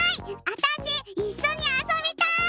あたしいっしょにあそびたい！